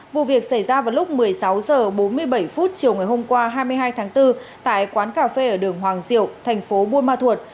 vụ việc xảy ra vào lúc một mươi sáu h bốn mươi bảy chiều ngày hôm qua hai mươi hai tháng bốn tại quán cà phê ở đường hoàng diệu thành phố buôn ma thuột